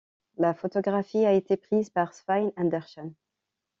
La photographie a été prise par Svein Andersen.